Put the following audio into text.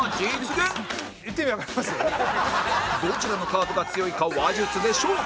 どちらのカードが強いか話術で勝負